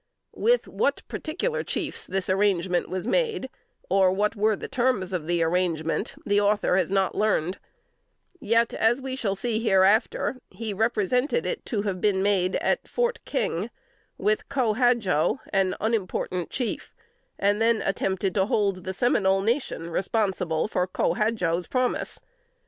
With what particular chiefs this arrangement was made, or what were the terms of the arrangement, the Author has not learned; yet, as we shall see hereafter, he represented it to have been made at "Fort King" with Co Hadjo, an unimportant chief, and then attempted to hold the Seminole Nation responsible for Co Hadjo's promise.